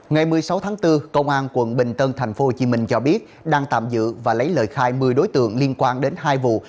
ngày một mươi sáu tháng bốn công an tp hcm cho biết đang tạm dự và lấy lời khai một mươi đối tượng liên quan đến hai vụ